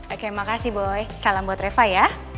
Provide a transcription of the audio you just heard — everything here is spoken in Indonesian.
oke makasih boy salam buat reva ya